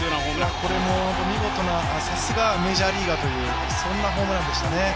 これも見事な、さすがメジャーリーガーというホームランでしたね。